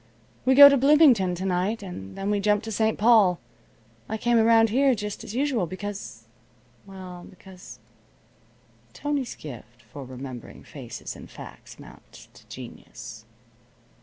We go to Bloomington to night, and then we jump to St. Paul. I came around here just as usual, because well because " Tony's gift for remembering faces and facts amounts to genius.